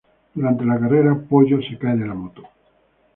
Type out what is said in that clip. Durante la carrera, Pollo se cae de la moto.